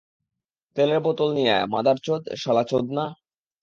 তেলের বোতল নিয়ে আয়, মাদারচোদ, শালা চোদনা!